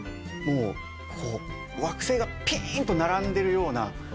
もうこう惑星がピーンと並んでるような。